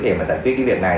để mà giải quyết cái việc này